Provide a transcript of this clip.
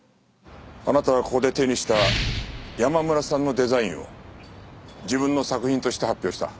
あなたはここで手にした山村さんのデザインを自分の作品として発表した。